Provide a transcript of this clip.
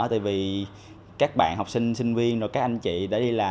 tại vì các bạn học sinh sinh viên rồi các anh chị đã đi làm